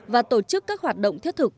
và tổ chức các hoạt động thiết thực